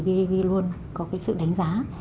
bav luôn có sự đánh giá